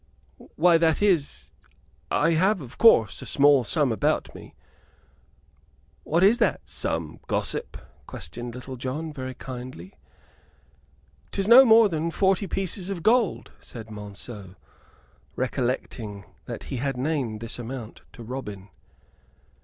"Why that is I have, of course, a small sum about me." "What is that sum, gossip?" questioned Little John, very kindly. "'Tis no more than forty pieces of gold," said Monceux, recollecting that he had named this amount to Robin.